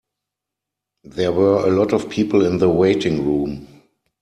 There were a lot of people in the waiting room.